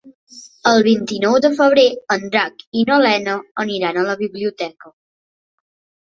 El vint-i-nou de febrer en Drac i na Lena aniran a la biblioteca.